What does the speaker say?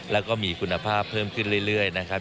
แล้วก็มีคุณภาพเพิ่มขึ้นเรื่อยนะครับ